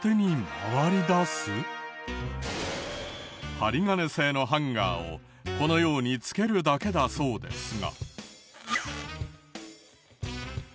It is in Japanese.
針金製のハンガーをこのように付けるだけだそうですが。